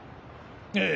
ええ。